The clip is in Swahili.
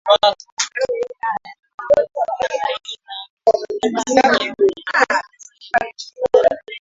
Tunaendelea kuwasihi wafuasi wetu kujiandikisha kwa wingi kupiga kura ili tufikie lengo letu mwaka wa elfu mbili ishirini na tatu ushindi wa kishindo.”